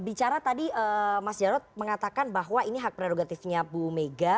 bicara tadi mas jarod mengatakan bahwa ini hak prerogatifnya bu mega